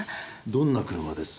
どんな車です？